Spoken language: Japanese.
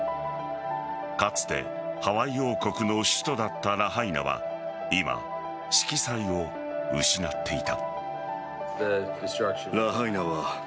かつてハワイ王国の首都だったラハイナは今、色彩を失っていた。